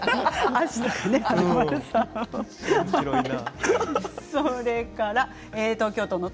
おもしろいな。